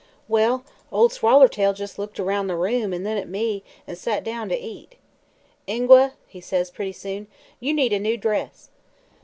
"Well, Ol' Swallertail jes' looked aroun' the room an' then at me an' sot down to eat. 'Ingua,' he says pretty soon,' you need a new dress.'